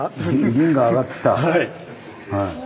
銀もあがってきた。